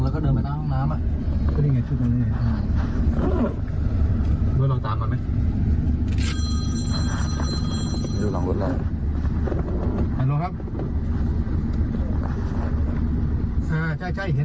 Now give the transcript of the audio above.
ครับครับเห็นรถละแล้ว